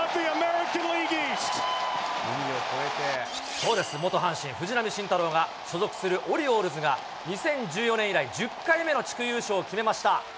そうです、元阪神、藤浪晋太郎が所属するオリオールズが２０１４年以来、１０回目の地区優勝を決めました。